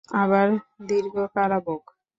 আবার দীর্ঘ কারাভোগ।